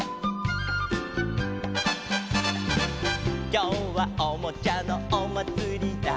「きょうはおもちゃのおまつりだ」